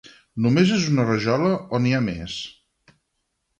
Només és una rajola o n'hi ha més?